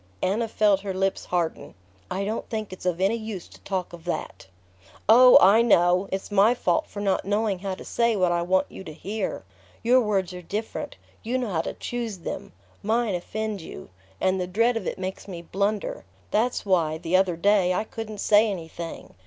Anna felt her lips harden. "I don't think it's of any use to talk of that." "Oh, I know! It's my fault for not knowing how to say what I want you to hear. Your words are different; you know how to choose them. Mine offend you ... and the dread of it makes me blunder. That's why, the other day, I couldn't say anything